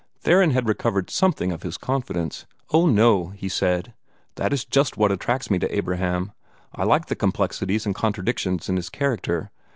Theron had recovered something of his confidence. "Oh, no," he said, "that is just what attracts me to Abraham. I like the complexities and contradictions in his character.